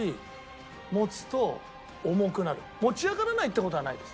持ち上がらないって事はないです。